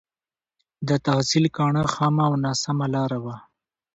د تحصيل کاڼه خامه او ناسمه لاره وه.